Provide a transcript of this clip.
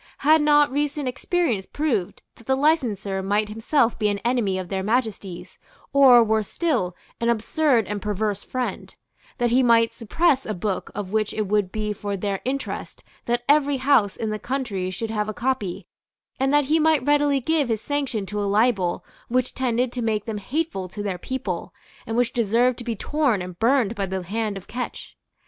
Had not recent experience proved that the licenser might himself be an enemy of their Majesties, or, worse still, an absurd and perverse friend; that he might suppress a book of which it would be for their interest that every house in the country should have a copy, and that he might readily give his sanction to a libel which tended to make them hateful to their people, and which deserved to be torn and burned by the hand of Ketch?